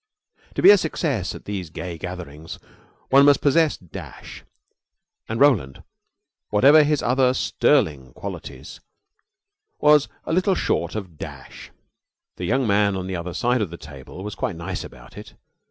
To be a success at these gay gatherings one must possess dash; and Roland, whatever his other sterling qualities, was a little short of dash. The young man on the other side of the table was quite nice about it.